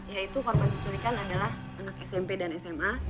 yaitu konten penceritakan adalah anak smp dan sma